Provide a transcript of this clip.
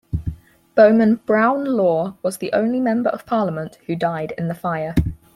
Bowman Brown Law was the only member of parliament who died in the fire.